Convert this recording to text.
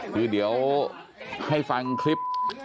คือเดี๋ยวให้ฟังคลิป